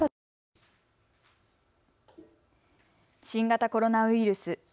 新型コロナウイルス。